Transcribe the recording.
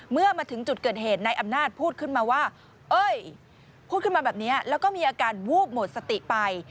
เมื่อมาถึงจุดเกิดเหตุนายอำนาจพูดขึ้นมาว่าเอ้ยพูดขึ้นมาแบบนี้แล้วก็มีอาการวูบหมดสติไป